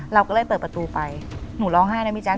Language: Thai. เราก็เลยเปิดประตูไปหนูร้องไห้นะพี่แจ๊